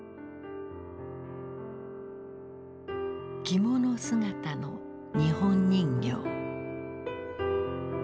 着物姿の日本人形。